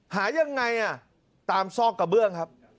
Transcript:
หายังไงตามซอกกระเบื้องครับ